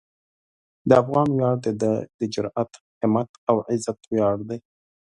د افغان ویاړ د ده د جرئت، همت او عزت ویاړ دی.